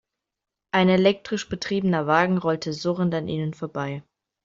Ein elektrisch betriebener Wagen rollte surrend an ihnen vorbei.